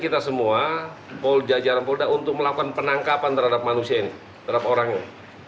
kita semua jajaran polda untuk melakukan penangkapan terhadap manusia ini terhadap orang ini